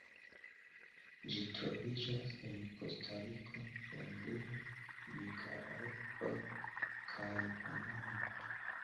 Ĝi troviĝas en Kostariko, Honduro, Nikaragvo kaj Panamo.